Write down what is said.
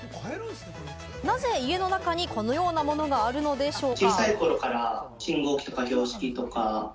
なぜ家の中にこのようなものがあるのでしょうか？